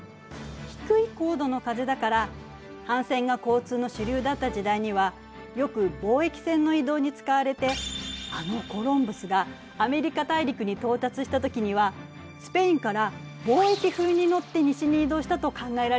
低い高度の風だから帆船が交通の主流だった時代にはよく貿易船の移動に使われてあのコロンブスがアメリカ大陸に到達した時にはスペインから貿易風に乗って西に移動したと考えられているの。